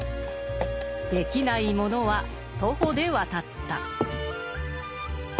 できない者は徒歩で渡った。